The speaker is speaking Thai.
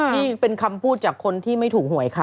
นี่เป็นคำพูดจากคนที่ไม่ถูกหวยค่ะ